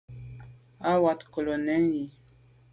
À wat nkelo nèn yi.